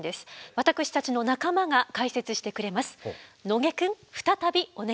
私たちの仲間が解説してくれます。